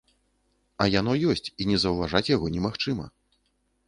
А яно ёсць, і не заўважаць яго немагчыма.